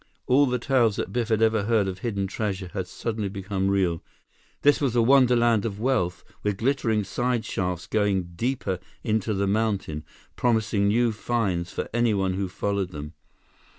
All the tales that Biff had ever heard of hidden treasure had suddenly become real. This was a wonderland of wealth, with glittering side shafts going deeper into the mountain, promising new finds for anyone who followed them.